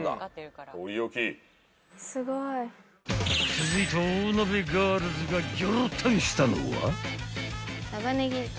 ［続いて大鍋ガールズがギョロタンしたのは］